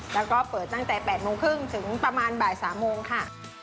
แล้วก็เปิดตั้งแต่๘โมงครึ่งถึงประมาณบ่าย๓โมงค่ะ